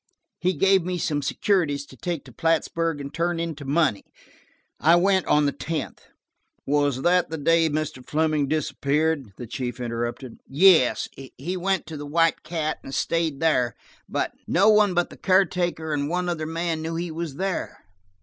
He gave me some securities to take to Plattsburg and turn into money. I went on the tenth–" "Was that the day Mr. Fleming disappeared?" the chief interrupted. "Yes. He went to the White Cat, and stayed there. No one but the caretaker and one other man knew he was there.